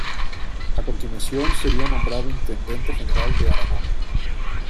A continuación sería nombrado Intendente General de Aragón.